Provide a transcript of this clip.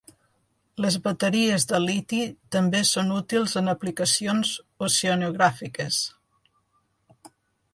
Les bateries de liti també són útils en aplicacions oceanogràfiques.